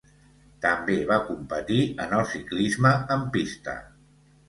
També va competir en el ciclisme en pista.